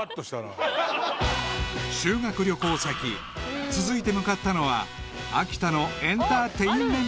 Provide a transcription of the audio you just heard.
［修学旅行先続いて向かったのは秋田の］